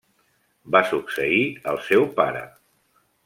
Va succeir al seu pare.